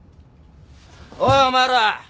おいお前ら！